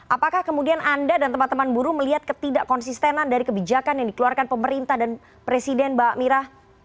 apakah kemudian anda dan teman teman buruh melihat ketidak konsistenan dari kebijakan yang dikeluarkan pemerintah dan presiden mbak mira